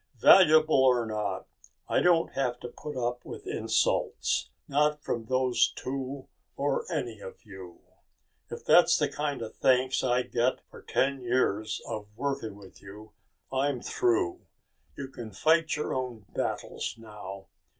"Valuable or not, I don't have to put up with insults. Not from those two or any of you. If that's the kind of thanks I get for ten years of working with you, I'm through. You can fight your own battles now."